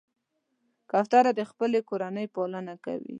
کوتره د خپلې کورنۍ پالنه کوي.